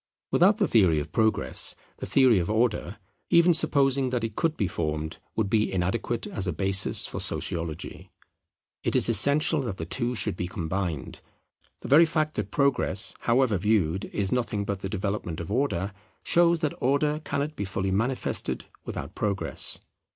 Without the theory of Progress, the theory of Order, even supposing that it could be formed, would be inadequate as a basis for Sociology. It is essential that the two should be combined. The very fact that Progress, however viewed, is nothing but the development of Order, shows that Order cannot be fully manifested without Progress.